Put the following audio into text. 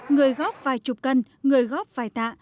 người góp vài chục cân người góp vài tạ